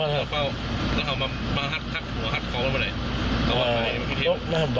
นางเฝ้าแล้วเขามามาหัดคัดหัวหัดของมันไปไหนอ่า